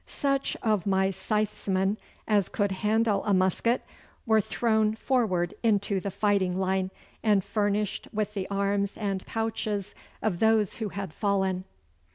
Such of my scythesmen as could handle a musket were thrown forward into the fighting line, and furnished with the arms and pouches of those who had fallen.